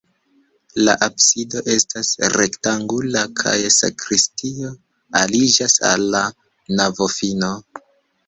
La absido estas rektangula kaj sakristio aliĝas al la navofino.